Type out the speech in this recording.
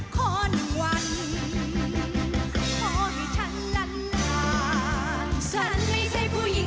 ขอหนึ่งวันขอให้ฉันละลา